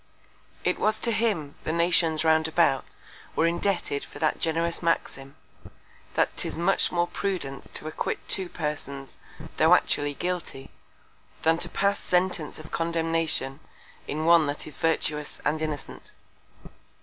It was to him, the Nations round about were indebted for that generous Maxim; _that 'tis much more Prudence to acquit two Persons, tho' actually guilty, than to pass Sentence of Condemnation in one that is virtuous and innocent_.